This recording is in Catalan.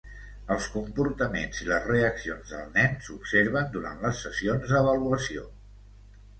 Els comportaments i les reaccions del nen s'observen durant les sessions d'avaluació.